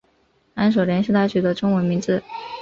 安守廉是他取的中文名字。